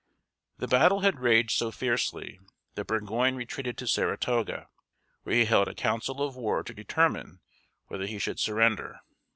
The battle had raged so fiercely that Burgoyne retreated to Saratoga, where he held a council of war to determine whether he should surrender.